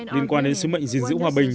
liên quan đến sứ mệnh giữ hòa bình